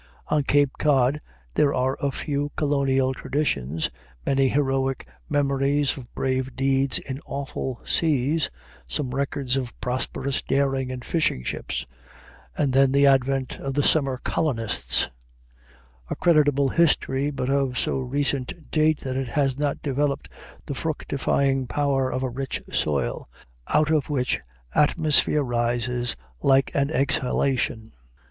On Cape Cod there are a few colonial traditions, many heroic memories of brave deeds in awful seas, some records of prosperous daring in fishing ships, and then the advent of the summer colonists; a creditable history, but of so recent date that it has not developed the fructifying power of a rich soil, out of which atmosphere rises like an exhalation.